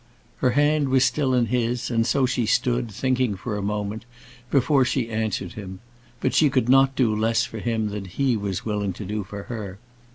Her hand was still in his, and so she stood, thinking for a moment before she answered him. But she could not do less for him than he was willing to do for her.